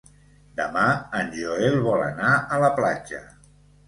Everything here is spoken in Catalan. Demà en Joel vol anar a la platja.